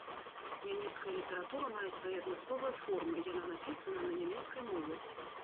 Нямецкая літаратура мае свае адмысловыя формы, яна напісана на нямецкай мове.